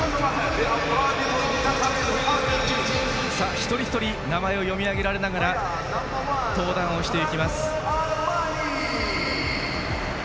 一人一人名前を読み上げられながら登壇をしていきます。